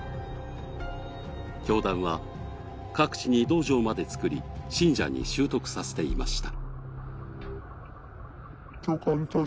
教団は各地に道場まで作り、信者に習得させていました。